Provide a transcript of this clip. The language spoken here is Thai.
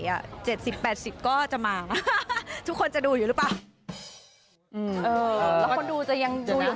มีอีกแผนที่จะมองเกลียดมากเราจะเกษียณค่ะ